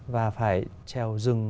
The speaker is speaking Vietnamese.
và phải trèo rừng